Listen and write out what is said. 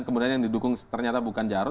kemudian yang didukung ternyata bukan jarod